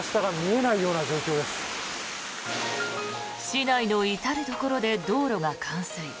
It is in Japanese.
市内の至るところで道路が冠水。